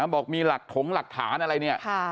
บอกมีถมหลักฐานอะไรเนี้ยค่ะ